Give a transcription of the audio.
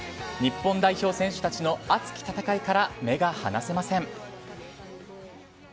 日本代表選手たちの熱き戦いから目が離せません。